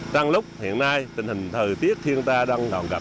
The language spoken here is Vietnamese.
trong lúc hiện nay tình hình thời tiết thiên ta đang gặp